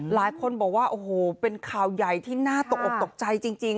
หลายคนบอกว่าโอ้โหเป็นข่าวใหญ่ที่น่าตกออกตกใจจริง